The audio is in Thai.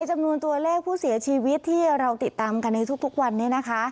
จำนวนตัวเลขผู้เสียชีวิตที่เราติดตามกันในทุกวันนี้นะคะ